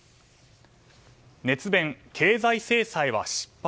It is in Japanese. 熱弁経済制裁は失敗。